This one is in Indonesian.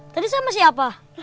tadi sama siapa